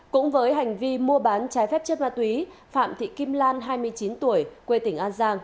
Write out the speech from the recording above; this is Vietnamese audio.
cũng với hành vi mua bán trái phép chất ma túy phạm thị kim lan hai mươi chín tuổi quê tỉnh an giang